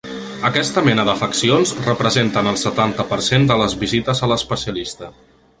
Aquesta mena d’afeccions representen el setanta per cent de les visites a l’especialista.